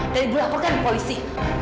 dan ibu lakorkan polisi